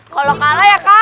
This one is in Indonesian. kalau kalah ya